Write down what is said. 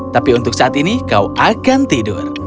tapi untuk saat ini kau akan tidur